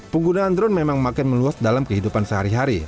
penggunaan drone memang makin meluas dalam kehidupan sehari hari